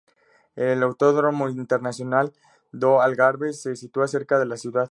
El Autódromo Internacional do Algarve se sitúa cerca de la ciudad.